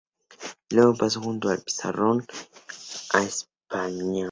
Luego pasó junto con Pizarro a España.